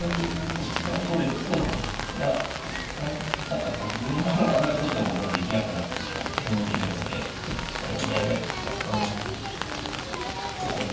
何かこう銀を上がることももうできなくなってしまってるのでこのお見合い形がそうですね